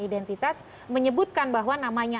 identitas menyebutkan bahwa namanya